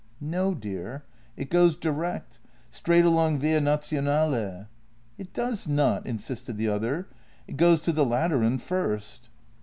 "No, dear; it goes direct — straight along Via Nazion ale." "It does not," insisted the other; "it goes to the Lateran first."